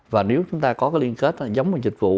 và nếu chúng ta có cái liên kết giống vào dịch vụ